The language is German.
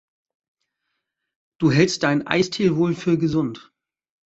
Du hältst deinen Eistee wohl für gesund.